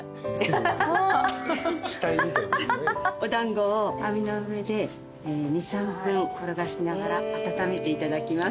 お団子を網の上で２３分転がしながら温めていただきます。